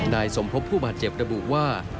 นายสมพบผู้บาดเจ็บระบุว่า